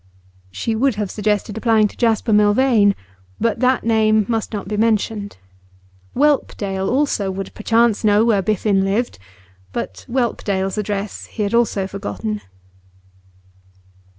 She would have suggested applying to Jasper Milvain, but that name must not be mentioned. Whelpdale, also, would perchance know where Biffen lived, but Whelpdale's address he had also forgotten.